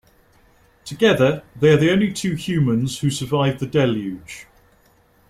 Together they are the only two humans who survived the deluge.